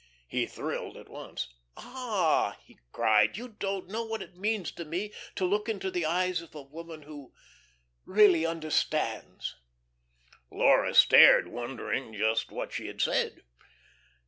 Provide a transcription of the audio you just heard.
He thrilled at once. "Ah," he cried, "you don't know what it means to me to look into the eyes of a woman who really understands." Laura stared, wondering just what she had said.